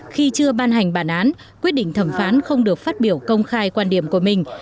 khi chưa ban hành bản án quyết định thẩm phán không được phát biểu công khai quan điểm của mình